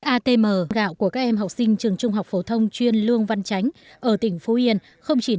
atm gạo của các em học sinh trường trung học phổ thông chuyên lương văn chánh ở tỉnh phú yên